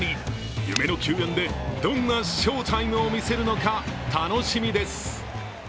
夢の球宴でどんな翔タイムを見せるのか楽しみです。